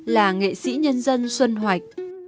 là nghệ sĩ nhân dân xuân hoạch